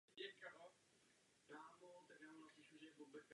V závěru převažuje směr jižní.